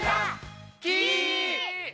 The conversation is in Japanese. き！